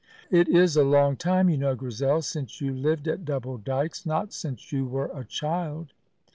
"It is a long time, you know, Grizel, since you lived at Double Dykes not since you were a child."